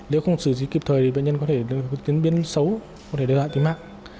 nếu không xử dịch kịp thời thì bệnh nhân có thể tiến biến xấu có thể đưa lại tính mạng